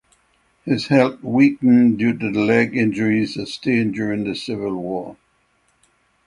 His health weakened due to the leg injury he sustained during the Civil War.